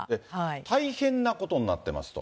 大変なことになってますと。